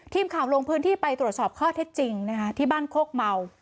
ทีมข่าวลงพื้นที่ไปตรวจสอบข้อเท็จจริงนะคะที่บ้านโคกเมา